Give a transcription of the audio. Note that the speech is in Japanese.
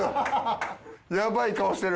やばい顔してる。